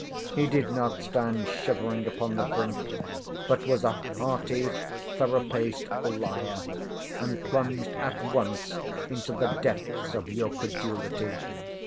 He did not stand shivering upon the brink, but was a hearty thoroughpaced liar, and plunged at once into the depths of your credulity.